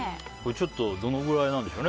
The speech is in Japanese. ちょっとどのぐらいなんでしょう。